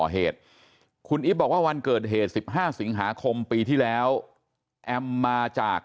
เหตุคุณอีฟบอกว่าวันเกิดเหตุ๑๕สิงหาคมปีที่แล้วแอมมาจาก